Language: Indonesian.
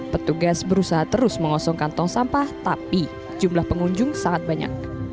petugas berusaha terus mengosongkan tong sampah tapi jumlah pengunjung sangat banyak